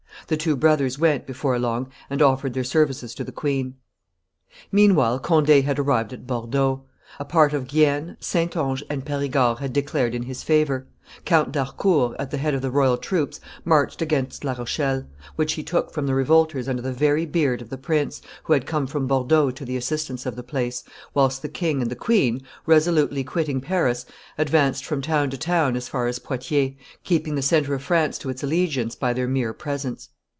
The two brothers went, before long, and offered their services to the queen. Meanwhile Conde had arrived at Bordeaux: a part of Guienne, Saintonge, and Porigord had declared in his favor; Count d'Harcourt, at the head of the royal troops, marched against La Rochelle, which he took from the revolters under the very beard of the prince, who had come from Bordeaux to the assistance of the place, whilst the king and the queen, resolutely quitting Paris, advanced from town to town as far as Poitiers, keeping the centre of France to its allegiance by their mere presence.